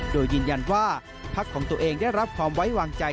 โดยยืนยันว่าพักของตัวเองได้รับความไว้วางใจ